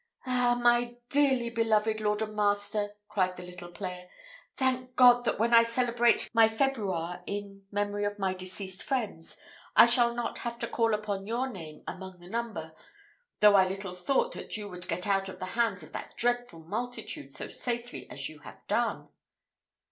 "Ah, my dearly beloved lord and master!" cried the little player, "thank God, that when I celebrate my februa in memory of my deceased friends, I shall not have to call upon your name among the number; though I little thought that you would get out of the hands of that dreadful multitude so safely as you have done."